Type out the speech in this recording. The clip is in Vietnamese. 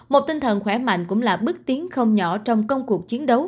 một tinh thần khỏe mạnh cũng là bước tiến không nhỏ trong công cuộc chiến đấu